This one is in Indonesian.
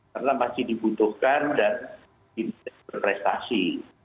karena masih dibutuhkan dan tidak berprestasi